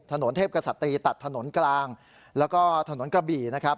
ถนนเทพกษัตรีตัดถนนกลางแล้วก็ถนนกระบี่นะครับ